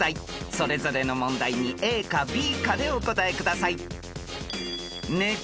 ［それぞれの問題にＡかＢかでお答えください］